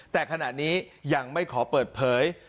แต่ขณะนี้ยังไม่ขอเปิดเผย